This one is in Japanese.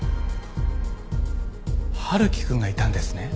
春樹くんがいたんですね？